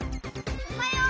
・おはよう。